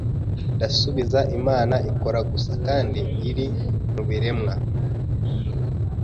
Ndasubiza Imana ikora gusa kandi iri mubiremwa